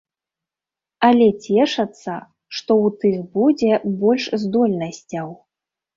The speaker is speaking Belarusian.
Але цешацца, што ў тых будзе больш здольнасцяў.